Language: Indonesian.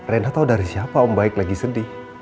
rena tahu dari siapa om baik sedih